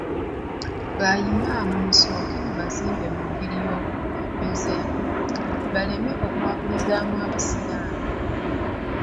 Ba Imam musooke mubazimbe mu ngeri y'obukulembeze, baleme okwabuluzaamu abasiraamu.